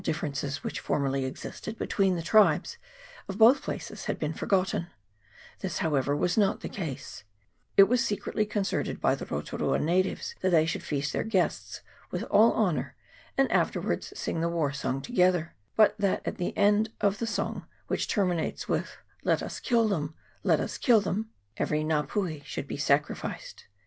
395 differences which formerly existed between the tribes of both places had been forgotten ; this, how ever, was not the case : it was secretly concerted by the Rotu rua natives that they should feast their guests with all honour, and afterwards sing the war song together ; but that at the end of the song, which terminates with "Let us kill them, let us kill them," every Nga pui should be sacri ficed.